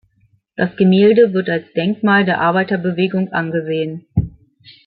Das Gemälde wird als Denkmal der Arbeiterbewegung angesehen.